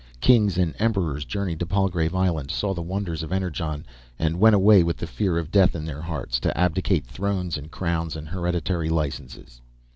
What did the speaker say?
Kings and emperors journeyed to Palgrave Island, saw the wonders of Energon, and went away, with the fear of death in their hearts, to abdicate thrones and crowns and hereditary licenses.